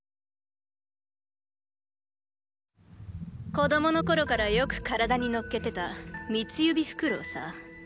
子供の頃からよく体にのっけてたミツユビフクロウさ。